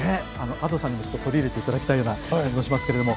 Ａｄｏさんにもちょっと取り入れて頂きたいような感じもしますけれども。